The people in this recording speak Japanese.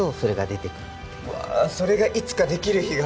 うわそれがいつかできる日が。